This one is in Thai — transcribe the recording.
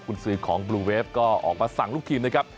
คุณซื้อของบลูเวฟก็ออกมาสั่งลูกทีมนะครับ